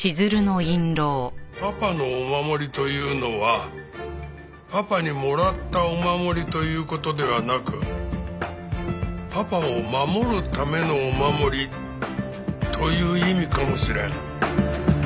パパのお守りというのはパパにもらったお守りという事ではなくパパを守るためのお守りという意味かもしれん。